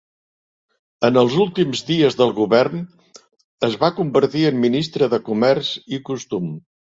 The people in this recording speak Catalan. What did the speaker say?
En els últims dies del govern es va convertir en ministre de comerç i costums.